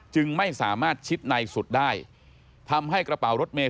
จึงไม่สามารถชิดในสุดได้ทำให้กระเป๋ารถเมย